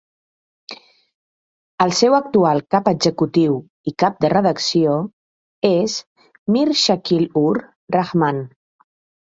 El seu actual cap executiu i cap de redacció és Mir Shakil-ur-Rahman.